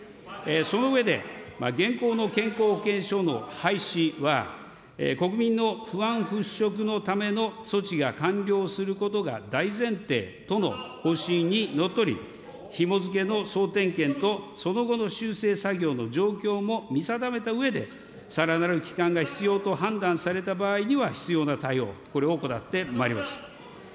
その上で、現行の健康保険証の廃止は、国民の不安払拭のための措置が完了することが大前提との方針にのっとり、ひも付けの総点検と、その後の修正作業の状況も見定めたうえで、さらなる期間が必要と判断された場合には、必要な対応、これを行ってまいります。